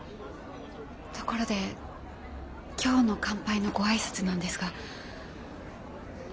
ところで今日の乾杯のご挨拶なんですが。